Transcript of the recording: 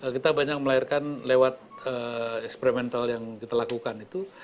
kita banyak melahirkan lewat eksperimental yang kita lakukan itu